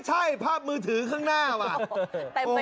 ใช่ภาพมือถือข้างหน้าว่ะ